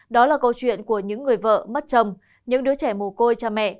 đó là câu chuyện của những người vợ mất chồng những đứa trẻ mồ côi cha mẹ